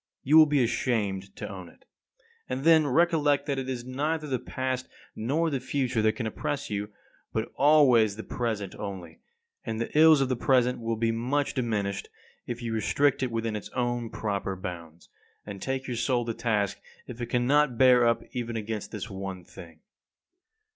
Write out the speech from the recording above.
You will be ashamed to own it. And then recollect that it is neither the past nor the future that can oppress you, but always the present only. And the ills of the present will be much diminished if you restrict it within its own proper bounds, and take your soul to task if it cannot bear up even against this one thing.